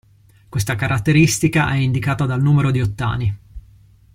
Questa caratteristica è indicata dal numero di ottani.